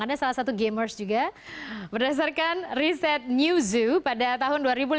ada salah satu gamers juga berdasarkan riset new zoo pada tahun dua ribu lima belas